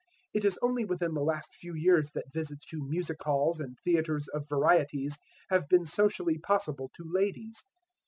It is only within the last few years that visits to music halls and theatres of varieties have been socially possible to ladies.